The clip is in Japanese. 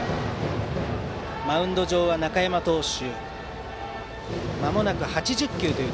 マウンド上は中山投手。